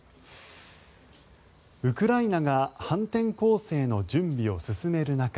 ウクライナが反転攻勢の準備を進める中